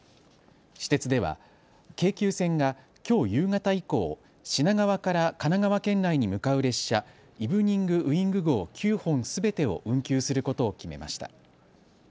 私鉄では京急線がきょう夕方以降、品川から神奈川県内に向かう列車、イブニング・ウィング号９本すべてを運休することを決めました。